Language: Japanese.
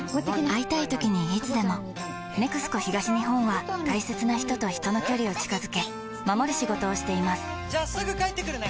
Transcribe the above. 会いたいときにいつでも「ＮＥＸＣＯ東日本」は大切な人と人の距離を近づけ守る仕事をしていますじゃあすぐ帰ってくるね！